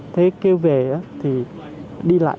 thế kêu về thì đi lại